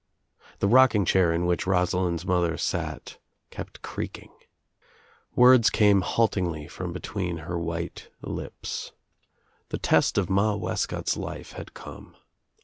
The rocking chair in which Rosalind's mother sat kept creaking. Words came haltingly from between her white lips. The test of Ma Wescott's life had come.